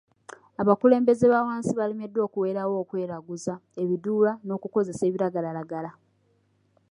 Abakulembeze ba wansi balemereddwa okuwerawo okweraguza, ebiduula, n'okukozesa ebiragalalagala.